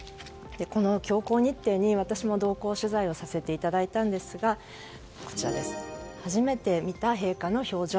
この強行日程に私も同行取材をさせていただいたんですが初めて見た陛下の表情